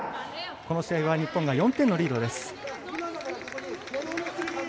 この試合は日本が４点のリードです。